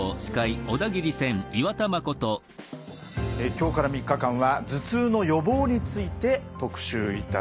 今日から３日間は頭痛の予防について特集いたします。